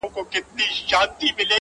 o اوس مي د سپين قلم زهره چاودلې ـ